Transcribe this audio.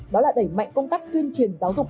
đó là đẩy mạnh công tác tuyên truyền giáo dục